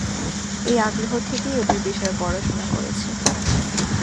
এই আগ্রহ থেকেই ওদের বিষয়ে পড়াশোনা করেছি।